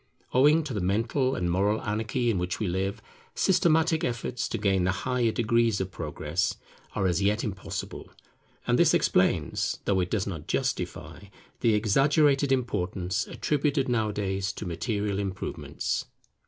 Owing to the mental and moral anarchy in which we live, systematic efforts to gain the higher degrees of Progress are as yet impossible; and this explains, though it does not justify, the exaggerated importance attributed nowadays to material improvements.